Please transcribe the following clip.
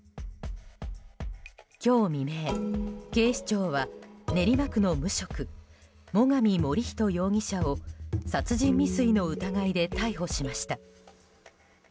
今日未明、警視庁は練馬区の無職、最上守人容疑者を殺人未遂の疑いで逮捕しました。